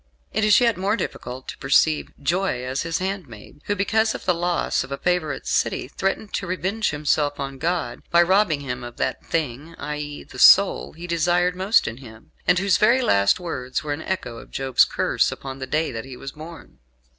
It is yet more difficult to perceive "joy as his handmaid" who, because of the loss of a favourite city, threatened to revenge himself on God, by robbing Him of that thing i.e., the soul He desired most in him; and whose very last words were an echo of Job's curse upon the day that he was born.